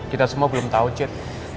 kita semua belum tahu cit